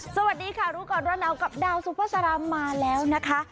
สวัสดีค่ะรู้ก่อนร้อนหนาวกับดาวซุปเปอร์สารมาแล้วนะคะ